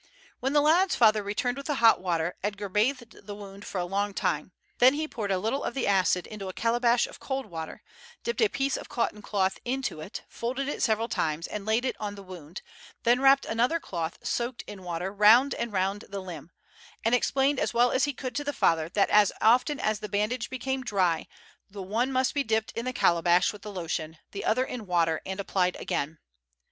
When the lad's father returned with the hot water, Edgar bathed the wound for a long time; then he poured a little of the acid into a calabash of cold water, dipped a piece of cotton cloth into it, folded it several times, and laid it on the wound, then wrapped another cloth soaked in water round and round the limb, and explained as well as he could to the father that as often as the bandage became dry the one must be dipped in the calabash with the lotion, the other in water, and applied again.